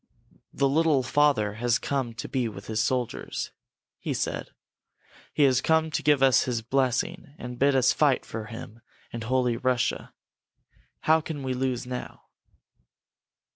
"The Little Father has come to be with his soldiers!" he said. "He has come to give us his blessing and bid us fight for him and Holy Russia! How can we lose now?"